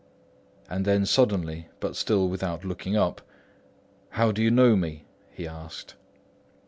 And then suddenly, but still without looking up, "How did you know me?" he asked.